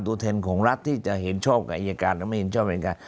ตัวแทนของรัฐที่จะเห็นชอบกับอายการหรือไม่เห็นชอบอายการ